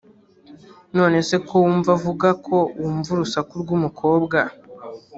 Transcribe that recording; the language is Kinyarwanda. none se ko wumva uvuga ko wumvaga urusaku rwumukobwa